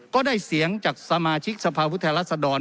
ก็ได้เสียงจากสมาชิกสวรัฐธรรมนูน